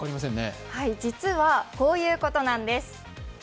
実は、こういうことなんです。